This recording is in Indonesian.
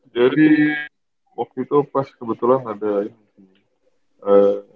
jadi waktu itu pas kebetulan ada yang